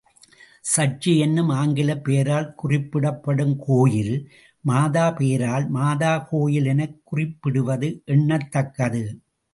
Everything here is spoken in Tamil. சர்ச்சு என்னும் ஆங்கிலப் பெயரால் குறிப்பிடப்படும் கோயில், மாதா பெயரால் மாதா கோயில் எனக் குறிப்பிடுவது எண்ணத் தக்கது.